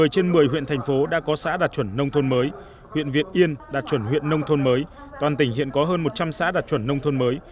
một mươi trên một mươi huyện thành phố đã có xã đạt chuẩn nông thôn mới huyện việt yên đạt chuẩn huyện nông thôn mới toàn tỉnh hiện có hơn một trăm linh xã đạt chuẩn nông thôn mới